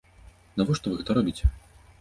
Навошта вы гэта робіце?